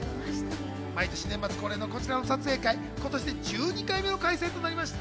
毎年年末恒例のこちらの撮影会、今年で１２回目の開催となりました、